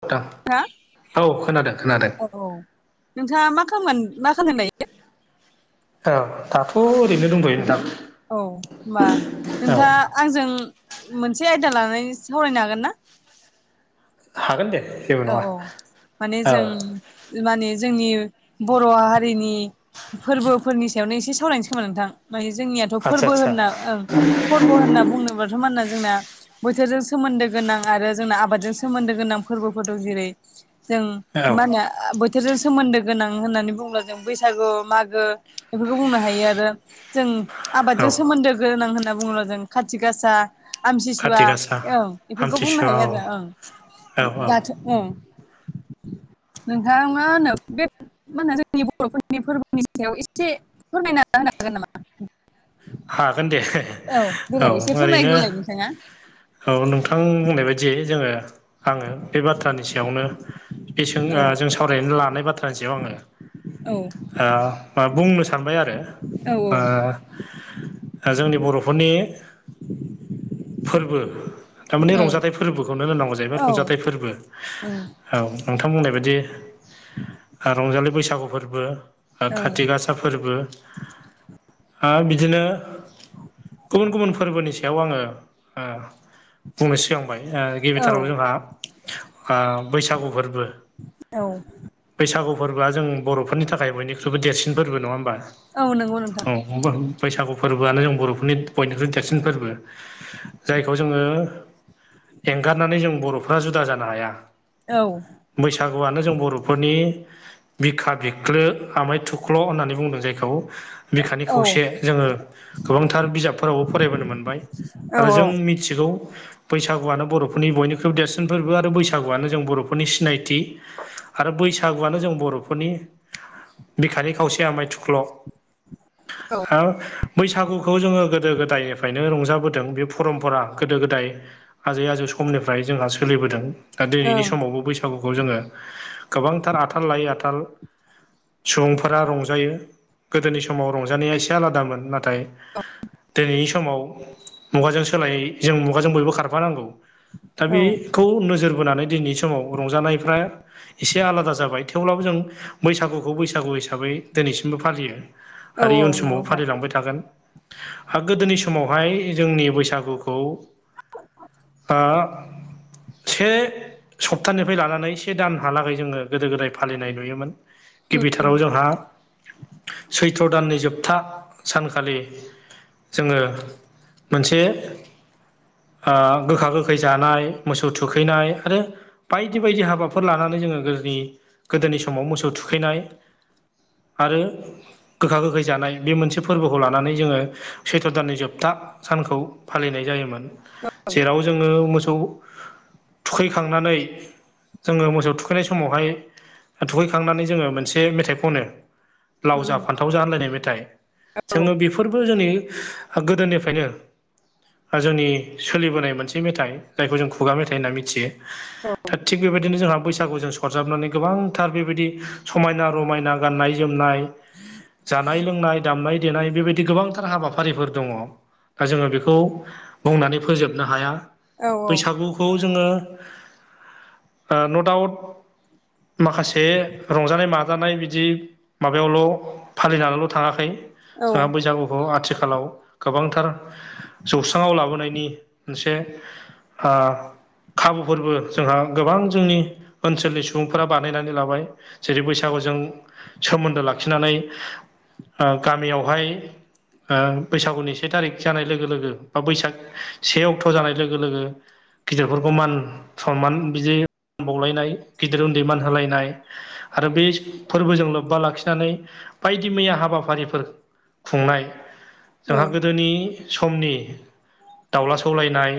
नोंथां हा औ खोनादों खोनादों औ औ नोंथाङा मा खामगोन मा खादों दायो। औ दाथ' ओरैनो दंबयो नोंथां। औ होनबा औ नोंथाङा आंजों मोनसे आयदा लानानै सावरायनो हागोन ना। हागोन दे। जेबो औ नङा औ माने औ जों जोंआनि जोंनि बर' हारिनि। फोरबोफोरनि सायावनो एसे सावरायनोसै खोमोन नोंथां माने जोंनिया। आदसा फोरबो आदसा होनना ओं फोरबो होनना बुंनो जोंना बोथोरजों सोन्दो गोनां आरो जोंना आबादजों सोन्दो गोनां फोरबो। फोरबो जेरै जों औ मा होनो। बोथोरजों सोमोन्दो गोनां होननानै बुंब्ला जों बैसागु मागो बेफोरखौ बुंनो हायो आरो। जों औ आबादजों सोमोन्दो गोनां होनना बुङोब्ला' जों खाथि गासा। खाथि आमसिसुवा गासा ओं बेफोरखौ बुंनो आमथिसुवा हायो औ आरो ओं। औ औ दाथ' उम नोंथाङा मा होनो बे। मा होनो जोंनि बर'फोरनि फोरबोनि सायाव एसे फोरमायना होनो हागोन नामा। हागोन दे। औ देलाय एसे फोरमायग्रोलाय नोंथाङा। औ नोंथां बुंनाय बायदियै जोङो आङो बे बाथ्रानि सायावनो। बेसों औ जों सावरायनानै लानाय बाथ्रानि जायाव आङो। औ ओ मा बुंनो सानबाय आरो औ ओ जोंनि बर'फोरनि फोरबो थारमाने औ रंजाथाइ फोर फोरबोखौनो होनांगौ जाहैबाय औ रंजाथाइ फोरबो औ औ नोंथां बुंनाय बायदि रंजालि बैसागु फोरबो ओ खाथि ओ गासा फोरबो ओ बिदिनो गुबुन गुबुन फोरबोनि सायाव आङो ओ बुंनो सिगांबाय ओ औ गिबिथारावनो जोंहा आ बैसागु फोरबो औ। बैसागु फोरबोआ जों बर'फोरनि थाखाय बयनिख्रुइबो देरसिन फोरबो नङा होमबा। औ नंगौ नोंथां। औ बैसागु फोरबोआनो जों बर'फोर बयनिख्रुइ देरसिन फोरबो जायखौ जोङो एंगारनानै जों बर'फ्रा जुदा जानो हाया औ बैसागुआनो जों बर'फोरनि बिखा बिख्लो आमाय थुख्ल' होननानै बुंदों जायखौ बिखानि औ खौसे जोङो गोबांथार बिजाबफोरावबो फरायबोनो मोनबाय औ आरो जों मिथिगौ बैसागुआनो बर'फोरनि बयनिख्रुइबो देरसिन फोरबो आरो बैसागुआनो जों बर'फोरनि सिनायथि आरो बैसागुआनो जों बर'फोरनि बिखानि खावसे आमाइ थुख्ल' हो बैसागुखौ जोङो गोदो गोदायनिफ्रायनो रंजाबोदों बे परमपरा गोदो गोदाय आजै आजौ समनिफ्राय जोंहा सोलिबोदों दा दिनैनि ओं समावबो बै गुखौ जोङो गोबांथार आथाल लायै आथाल सुबुंफोरा रंजायो गोदोनि समाव रंजानाया एसे आलादामोन ना थाय दिनैनि समाव मुगाजों सोलाय जों मुगाजों बयबो खारफानांगौ दा औ बे खौ नोजोर बोनानै दिनैनि समाव रंजानायफ्रा एसे आलादा जाबाय थेवब्लाबो जों बैसागुखौ बैसागु हिसाबै दिनैसिमबो फालियो। औ नंगौ आरो इयुन समाव नोंथां फालिलांबाय था थागोन हा गोदोनि समावहाय जोंनि बैसागुखौ आ से सप्तानिफ्राय लानानै से दानहालागै जोङो गोदो गोदाय फालिनाय नुयोमोन। उम गिबिथाराव जोंहा सैथ्र दाननि जोबथा सानखालि जोङो मोनसे आ गोखा गोखै जानाय मोसौ थुखैनाय आरो बायदि बायदि हाबाफोर लानानै जोङो गोदोनि गोदोनि समाव मोसौ थुखैनाय आरो गोखा गोखै जानाय बे मोनसे फोरबोखौ लानानै जोङो सैथ' दाननि जोबथा सानखौ फालिनाय जायोमोन। जेराव जोङो मोसौ थुखैखांनानै जोङो मोसौ थुखैनाय समावहाय थुखैखांनानै जोङो मोन मोनसे मेथाइ खनो लाव उम जा फान्थाव जा होनलायनाय मेथाइ औ औ जोङो बेफोरबो जोंनि गोदोनिफ्रायनो ओ जोंनि सोलिबोनाय मोनसे मेथाइ जायखौ जों खुगा मेथाइ होनना मिथियो औ दा थिग बेबायदिनो जोंहा बैसागु जों सरजाबनानै गोबां थार बेबायदि समायना, रमायना, गाननाय, जोमनाय, जानाय, लोंनाय दामनाय, देनाय बेबायदि गोबांथार हाबाफारिफोर दङ। दा जोङो बेखौ बुंनानै फोजोबनो हाया औ औ बैसागु खौ जोङो न'डाउट माखासे रंजानाय माजानाय बिदि माबायावल' फालिनानैल' थाङाखै औ जोंहा बैसागु गु आथिखालाव गोबांथार जौस्राङाव लाबोनायनि मोनसे आ खाबुफोरबो जोंहा गोबां जोंनि ओनसोलनि सुबुंफोरा बानायनानै लाबाय जेरै बैसागुजों सोमोन्दो लाखिनानै आ गामियावहाय आ बैसागुनि से थारिख जानाय लोगो लोगो बा बैसाग से अक्ट' जानाय लोगो लोगो गिदिरफोरखौ मान सनमान बिदि मान बावलायनाय गिदिर उन्दै मान होलायनाय आरो बे फोरबोजों लोब्बा लाखिनानै बायदि मैया हाबाफा हाबाफारिफोर खुंनाय औ जोंहा गोदोनि समनि दावला सौलायनाय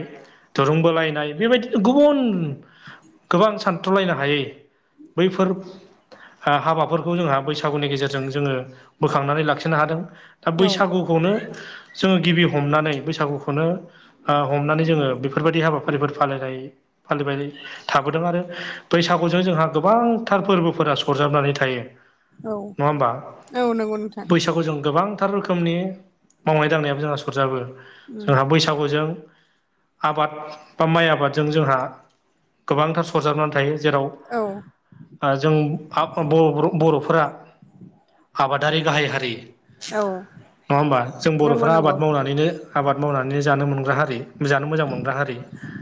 दुरुं बोलायनाय बेबायदिनो गुबुन गोबां सानथ्र'लायनो हायै बैफोर हा हाबाफोरखौ जोंहा बैसागुनि गेजेरजों जोङो बोख खांनानै लाखिनो हादों दा बैसागुखौनो जोङो गिबि हमनानै बैसागुखौनो आ हमनानै जोङो बेफोरबायदि हाबाफारिफोर फालिनो हायो फालिबाय थाबोदों आरो बैसागुजों जोंहा गोबांथार फोर्बोफोरा सरजाबनानै थायो। औ नङा होमबा औ नंगौ नोंथां बैसागु जों गोबांथार रोखोमनि मावनाय दांनायाबो जोंहा सरजाबो उम जोंहा बैसाग सागुजों आबाद बा माइ आबादजों जोंहा गोबांथार सरजाबनानै थायो जेराव औ आ जों आ बर बर'फोरा दारि गाहाय हारि औ नङा होमबा जों नंगौ बर'फ्रा नंगौ आबाद मावनानैनो आबाद मावनानैनो जानो मोनग्रा हारि जानो मोजां मोनग्रा हारि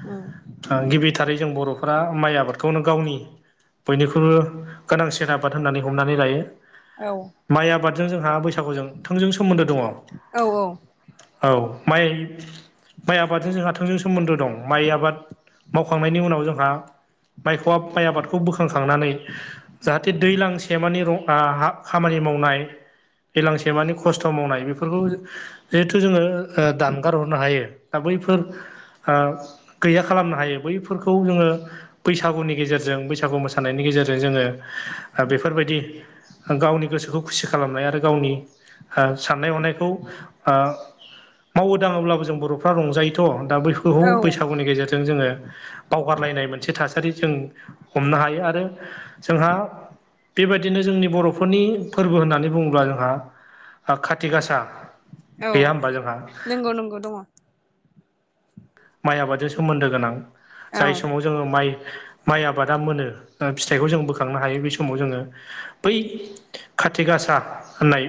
औ ओ गिबिथारै जों बर'फोरा माइ आबादखौनो गावनि बयनिख्रुइबो गोनांसिन आबाद होननानै हमनानै लायो। औ माइ आबादजों जोंहा बैसागुजों थोंजों सोमोन्दो दङ। औ औ माइ माइ आबादजों जोंहा थोंजों सोमोन्दो दं माइ आबाद मावखांनायनि उनाव जोंहा माइखौ माइ आबादखौ बोखांखांनानै जाहाथे दैलां सेमानि रं आ खामानि माव माइ दैलांसेमानि खस्थ' मावनाय बेफोरखौ जिहेथु जोङो ओ दानगार हरनो हायो दा बैफोर आ गैया खालामनो हायो बैफोरखौ जोङो बैसागुनि गेजेरजों बैसागु मोसानायनि गेजेरजों जोङो बेफोरबायदि गावनि गोसोखौ खुसि खालामनाय आरो गावनि आ साननाय हनायखौ आ मावो दाङोब्लाबो जों बर'फ्रा रंजायोथ' दा बै औ बैसागुनि गेजेरजों जोङो बावगारलायनाय मोनसे थासारि जों हमनो हायो आरो जोंहा बेबादिनो जोंनि बर'फोरनि फोर्बो होननानै बुङोब्ला जोंहा खाथि गासा औ गैया होमबा जोंहा नंगौ नंगौ दङ। माइ आबादजों सोमोन्दो गोनां औ जाय समाव जोङो माइ माइ आबादा मोनो फिथाइखौ जों बोखांनो हायो बे समाव जोङो बै काथि गासा होननाय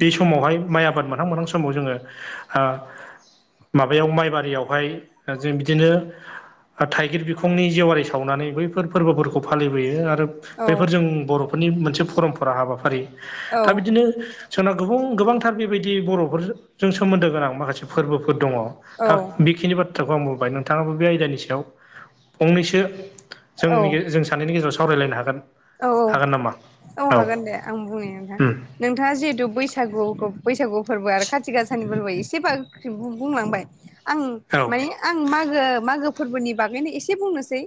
बे समावहाय माइ आबाद मोनहां मोनहां समाव जोङो आ माबायाव माइबाद बारियावहाय जों बिदिनो थाइगिर बिखंनि जेवारि सावनानै बैफोर फोर्बोफोरखौ फालिबोयो आरो औ बेफोर जों बर'फोरनि मोनसे परमपरा हाबाफारि औ दा बिदिनो जोंनाव गोबां गोबांथार बेबायदि बर'फोरजों सोमोन्दो गोनां माखासे फोर्बोफोर दङ। औ दा बेखिनि बाथ्राखौ आं बुंबाय नोंथाङाबो बे आयदानि सायाव फंनैसो जोंनि जों सानैनि गेजेराव सावरायलायनो हागोन। औ औ हागोन नामा औ हागोन दे आं बुंनि नोंथां। उम नोंथाङा जिहेतथु बैसागुखौ बैसागु फोरबो आरो खाथि गाासानि फोरबो एसेबाबो बुंलांबाय। आं औ माने आं मागो मागो फोरबोनि बागैनो एसे बुंनोसै।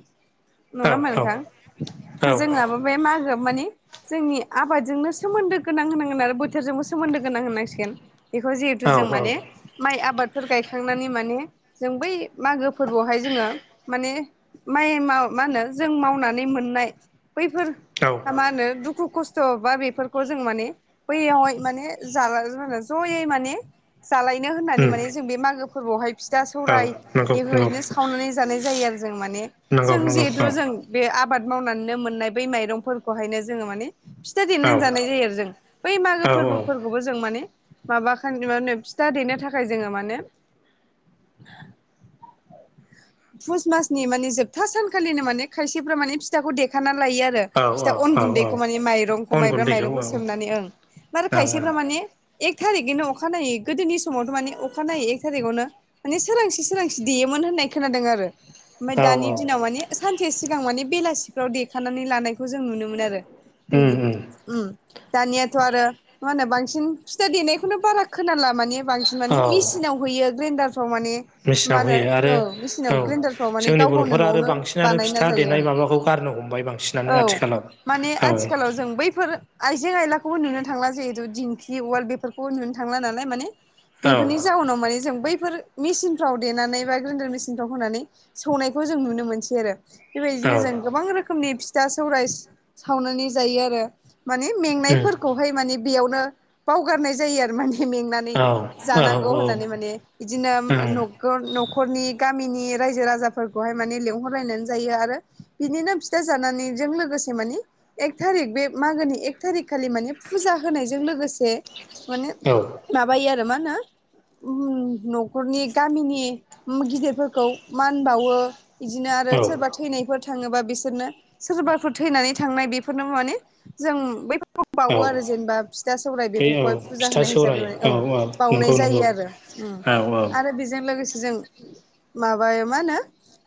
औ नङामोन नोंथां औ जोंहाबो बे मागो माने जोंनि आबादजोंनो सोमोन्दो गोनां होनांगोन आरो बोथोरजोंबो सोमोन्दो गोनां होनांसिगोन। बेखौ जिहेथु औ जों माने माइ आबादफोर गायखांनानै माने। जों बै मागो फोरबोआवहाय जोङो माने। माइ म मा होनो जों मावनानै मोननाय बैफोर औ मा होनो दुखु खस्थ'। थ बा बेफोरखौ जों माने बैयावहाय माने जाला जयै माने। जालायनो होननानै उम माने जों बे मागो फोरबोआवहाय फिथा औ सौराय नंगौ नंगौ बेफोरबायदिनो सावनानै जानाय जायो आरो जों माने नंगौ जों नंगौ जिहेथु औ जों बे आबाद मावनानैनो मोननाय बै माइरंफोरखौहायनो जोंङो माने फिथा औ देनानै जानाय जायो आरो जों बै मागो औ औ फोरबोफोर जों माने माबा फिथा देनो थाखाय जोंङो माने पुष मासनि माने जोबथा सानखालिनो माने खायसेफ्रा माने फिथाखौ देखानानै लायो आरो। आरो औ फिथा अन औ औ गुन्दैखौ माने माइरंखौ अन माइब्रा गुन्दैखौ माइरंखौ औ सोमनानै ओं। बार औ खायसेफ्रा माने एक थारिखैनो अखा नायै गोदोनि समावथ' माने अखाानायनायै एक थारिखआवनो माने सोरांसे सोरांसि देयोमोन होननाय खोनादों आरो ओमफफ्राय औ दानि औ दिनाव माने सानसे सिगां माने बेलासिफ्राव देखानानै लानायखौ जों नुनो मोन आरो। उम उम ओम दानियाथ' आरो मा होनो बांसिन फिथा देनायखौनो बारा खोनाला माने बांसिन। औ माने मेसिनाव हैयो ग्रेन्डारफ्राव माने मा मेचिनाव होनो होयो आरो औ मेचिनाव औ ग्रेन्डारफ्राव माने जोंनि गाव गावनो बर'फोरा आरो न'आवनो बांसिनानो बानायना फिथा जायो ओं देनाय माबाखौ गारनो हमबाय औ बांसिनानो आथिखालाव। माने औ आथिखालाव जों बैफोर आइजें आयलाखौबो नुनो थांला जिहेतु दिंखि वाल्द बेफोरखौबो नुनो थांला नालाय माने। औ बेफोरनि जाउनाव माने जों बैफोर मेसिनफ्राव देनानै बा ग्रेडार मेसिन होनानै सौनायखौ जों नुनो मोसै आरो औ बेबायदिनो जों गोबां रोखोमनि फिथा सौराय सावनानै जायो आरो माने उम मेंनायफोरखौ ओमफाय माने बेयावनो बावारनाय जायो आरो माने मेंना नानै औ औ जानांगौ उम होननानै माने बिदिनो न'खरनि गामिनि रायजो राजाफोरखौहाय माने लेंहरलायनानै जायो आरो बिनिनो फिथा जानानैजों लोगोसे माने एक थारिक बे मागोनि एक थारिक खालि माने फुजा होनायजों लोगोसे लोगोसे माने। औ माबायो आरो मा होनो ओम न'खरनि गामिनि गिदिर फोर मान बावो बिदिनो आरो औ सोरबा थैनायफोर थाङोबा बिसोरनो सोरबाफोर थैनानै थांनाय बेफोरनो माने जों सब बावो आरो जेनेबा फिथा सौरायाइ बे औ बेफोरखौहाय फुजा फिथा होनाय हिसाबै सौराय माने औ। बावनाय नंगौ जायो नंगौ आरो ओम औ औ आरो बेजों लोगोसे जों माबायो मा होनो।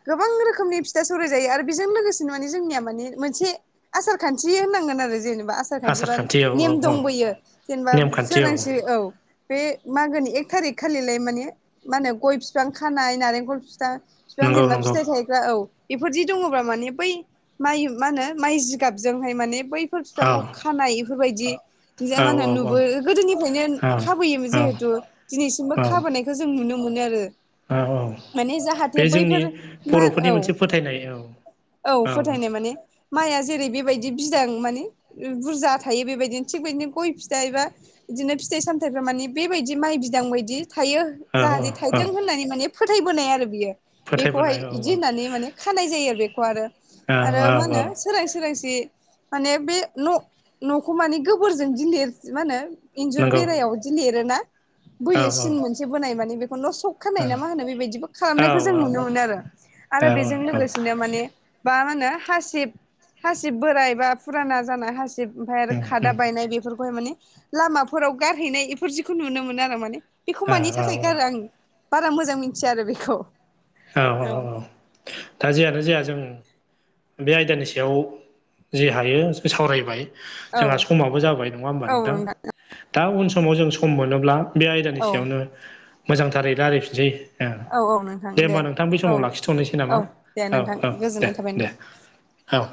गोबां रोखोमनि फिथा सौराय जायो आरो बेजों लोगोसेनो माने जोंनिया माने मोनसे आसार खान्थि होननांगोन आरो जेनेबा आस सार आसार खान्थिबा खान्थि औ औ नेम औ दंबोयो जेनेबा सोरांसि औ। बे मागोनि एक थारिख खालिलाय माने मा होनो गय बिफां खानाय नारेंखल फिफां बिफां नंगौ देमना नंगौ फिथाइ थाय औ बेफोरदि दङब्ला माने बै माइ मा होनो माइ जिगाबजोंहाय माने बै फोर‌ औ बिफांखौ खानाय बेफोरबायदि। जा मा होनो औ नुबो गोदोनिफ्रायनो औ खाबोयोमोन औ जिहेथु दिनैसिमबो औ खाबोनाय बेखौ जों नुनो मोनो आरो। औ औ माने जाहाथे बे जोंनि बैफोर मा बर'फोरनि औ मोनसे फोथायनाय औ औ फोथायनाय माने माइआ जेरै बेबायदि बिदां माने बुरजा थायो बेबायदिनो थिग बिदिनो गय फिथा एबा बिदिनो फिथाइ सामथाइफ्रा माने बेबायदि माइ बिदां बायदि थायो। औ जाहाथे औ थाइथें होननानै माने फोथायबोनाय आरो बियो बेखौहाय फोथायबोनाय औ बिदि होननानै माने खानाय जायो आरो बेखौ आरो औ आरो मा औ होनो सोरां सोरांसि माने बे न' न'खौ माने गोबोरजों गिलिर मा होनो इन्जुर नंगौ बेरायाव बिदि लिरोना औ बोयो सिन मोनसे बोनाय माने बेखौल' सख खानाय ना मा होनो बे बिदिबो औ खालामनायखौ जों नुनो मोनो आरो औ आरो बेजों लोगोसे बिनो माने मा होनो हासिब हासिब बोराय बा फुराना जानाया हासिब ओमफफ्राय आरो उम खादा उम बायनाय बेफोरखौहाय माने लामाफोराव गारहैनाय बेफोर जिखौ नुनो मोनो आरो माने बेखौ औ मानि थाखाय औ गारो आं बारा मोजां मिथिया आरो बेखौ। औ औ औ दा जेानो जाया जों बे आयदानि सायाव जे हायोखौ सावरायबाय जोंहा समाबो जाबाय नङा होमबा नोंथां दा उन समाव जों सम मोनोब्ला बे आयदानि औ सायावनो मोजांथारै रायलायफिनसै औ औ नो दे होमबा नोंथां बे समाव लाखिथ'नोसै नामा दे औ नोंथां औ गोजोननाय दे थाबाय नोंथां दे औ